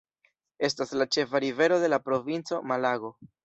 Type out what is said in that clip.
Estas la ĉefa rivero de la provinco Malago.